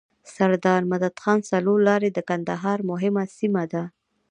سردار مدد خان څلور لاری د کندهار مهمه سیمه ده.